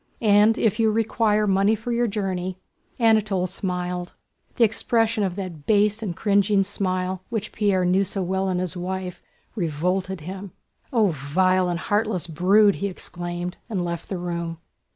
"And if you require money for your journey..." Anatole smiled. The expression of that base and cringing smile, which Pierre knew so well in his wife, revolted him. "Oh, vile and heartless brood!" he exclaimed, and left the room.